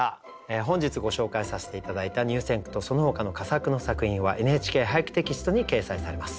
本日ご紹介させて頂いた入選句とそのほかの佳作の作品は「ＮＨＫ俳句」テキストに掲載されます。